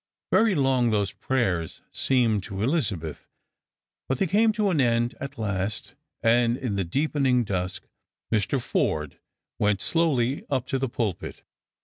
Very long those prayers seemed to Elizabeth, but they came to an end at last, and ui the deepening dusk Mr. Forde went slowly up to the pulpit.